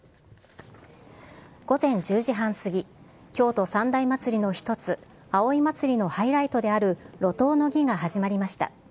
午前１０時半過ぎ、京都三大祭りの一つ、葵祭のハイライトである、路頭の儀が始まりました。